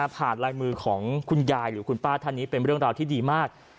ลายมือของคุณยายหรือคุณป้าท่านนี้เป็นเรื่องราวที่ดีมาก